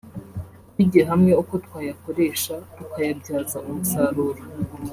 twigiye hamwe uko twayakoresha tukayabyaza umusaruro